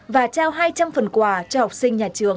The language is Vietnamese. và trao hai trăm linh phần quà cho học sinh